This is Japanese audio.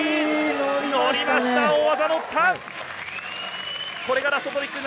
乗りました大技。